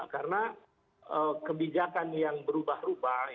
karena kebijakan yang berubah ubah